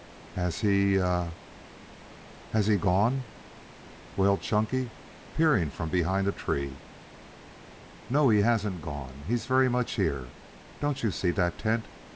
"Has he ha ha has he gone?" wailed Chunky, peering from behind a tree. "No, he hasn't gone. He's very much here. Don't you see that tent!